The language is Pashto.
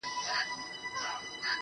په خــــنــدا كيــسـه شـــــروع كړه.